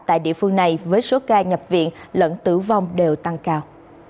tại địa phương này với số ca nhập viện lẫn tử vong đều tăng cao